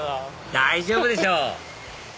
大丈夫でしょ！